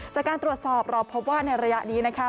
จากการตรวจสอบเราพบว่าในระยะนี้นะคะ